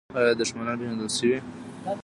آیا دښمنان پیژندل شوي؟